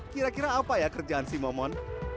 kira kira apa ya kerjaan si momon